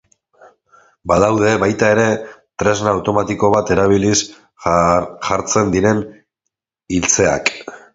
Badaude, baita ere, tresna automatiko bat erabiliz jartzen diren iltzeak.